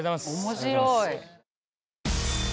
面白い。